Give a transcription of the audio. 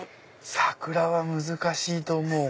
桜は難しいと思う！